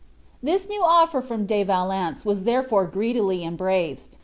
This new offer from De Valence was therefore greedily embraced.